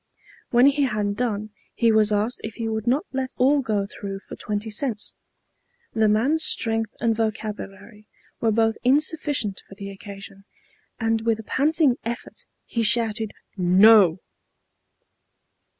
When he had done he was asked if he would not let all go through for twenty cents. The man's strength and vocabulary were both insufficient for the occasion, and with a panting effort he shouted "No!"